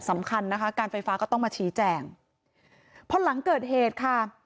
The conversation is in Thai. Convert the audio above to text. สำคัญนะคะการไฟฟ้าก็ต้องมาชี้แจงพอหลังเกิดเหตุค่ะ